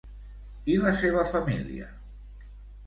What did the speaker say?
I la seva família?